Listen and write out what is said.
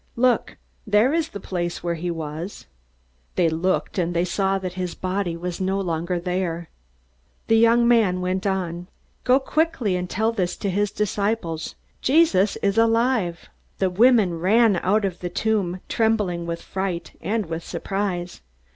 Look! There is the place where he was!" They looked, and they saw that his body was no longer there. The young man went on, "Go quickly, and tell this to his disciples: 'Jesus is alive.'" The women ran out of the tomb, trembling with fright and with surprise.